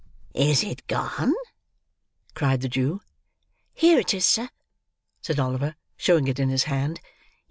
"Is it gone?" cried the Jew. "Here it is, sir," said Oliver, showing it in his hand.